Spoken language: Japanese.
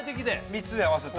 ３つで合わせた？